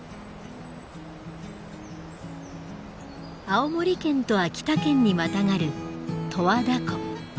青森県と秋田県にまたがる十和田湖。